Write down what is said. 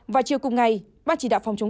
và chiều cùng ngày bà chỉ đạo phòng chống